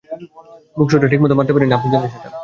ব্যুক, শটটা ঠিকমত মারতে পারেননি, আপনিও জানেন সেটা!